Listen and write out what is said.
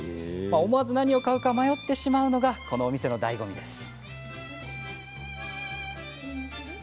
思わず何を買うか迷ってしまうのがこのお店のだいご味です。